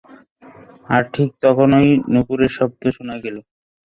আর ঠিক তখনই নূপুরের শব্দ শোনা গেল।